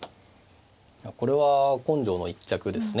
これは根性の一着ですね。